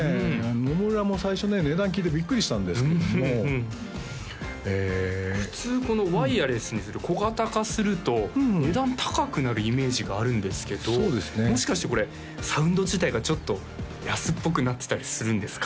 野村も最初ね値段聞いてビックリしたんですけども普通このワイヤレスにする小型化すると値段高くなるイメージがあるんですけどもしかしてこれサウンド自体がちょっと安っぽくなってたりするんですか？